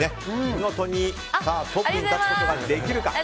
見事にトップに立つことができるか。